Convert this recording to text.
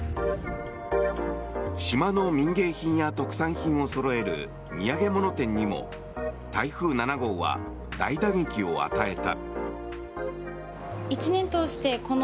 島の民芸品や特産品をそろえる土産物店にも台風７号は大打撃を与えた。